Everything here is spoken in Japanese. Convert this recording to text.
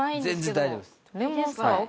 全然大丈夫です。